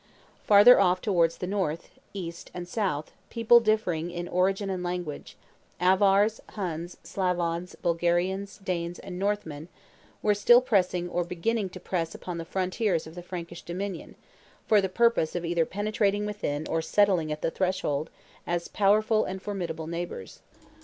Farther off towards the north, east, and south, people differing in origin and language Avars, Huns, Slavons, Bulgarians, Danes, and Northmen were still pressing or beginning to press upon the frontiers of the Frankish dominion, for the purpose of either penetrating within or settling at the threshold as powerful and formidable neighbors.